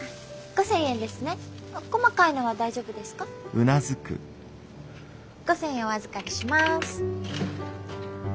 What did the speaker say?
５千円お預かりします。